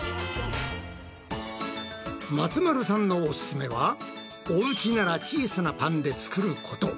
松丸さんのオススメはおうちなら小さなパンで作ること。